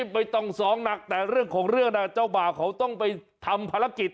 ไม่ต้องซ้อมหนักแต่เรื่องของเรื่องนะเจ้าบ่าวเขาต้องไปทำภารกิจ